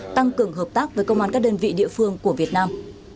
tăng cường hợp tác với công an các đơn vị địa phương của việt nam